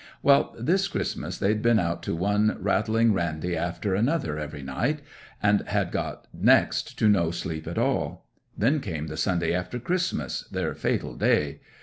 'Well, this Christmas they'd been out to one rattling randy after another every night, and had got next to no sleep at all. Then came the Sunday after Christmas, their fatal day.